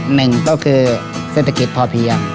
หนึ่งก็คือเศรษฐกิจพอเพียง